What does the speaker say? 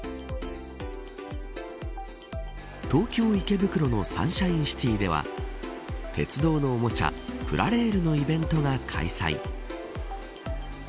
東京池袋のサンシャインシティでは鉄道のおもちゃプラレールのイベントが開催。